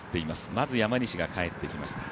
まず山西が帰ってきました。